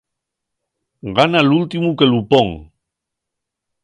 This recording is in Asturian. Gana l'últimu que lu pon.